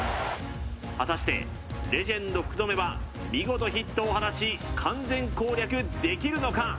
果たしてレジェンド福留は見事ヒットを放ち完全攻略できるのか？